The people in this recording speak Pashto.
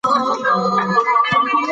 فتح خان د ښار د نیولو لپاره کلک پلان درلود.